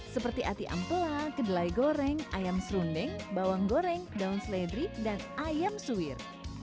seperti ati ampela kedelai goreng ayam serundeng bawang goreng daun seledri dan ayam suwir